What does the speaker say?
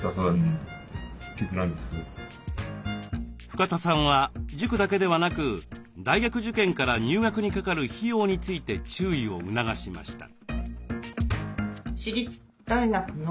深田さんは塾だけではなく大学受験から入学にかかる費用について注意を促しました。